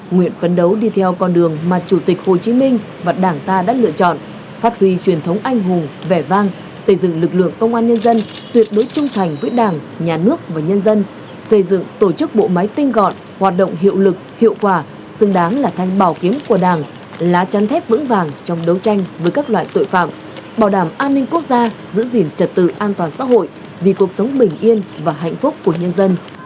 nguyện phấn đấu đi theo con đường mà chủ tịch hồ chí minh và đảng ta đã lựa chọn phát huy truyền thống anh hùng vẻ vang xây dựng lực lượng công an nhân dân tuyệt đối trung thành với đảng nhà nước và nhân dân xây dựng tổ chức bộ máy tinh gọn hoạt động hiệu lực hiệu quả xứng đáng là thanh bào kiếm của đảng lá chăn thép vững vàng trong đấu tranh với các loại tội phạm bảo đảm an ninh quốc gia giữ gìn trật tự an toàn xã hội vì cuộc sống bình yên và hạnh phúc của nhân dân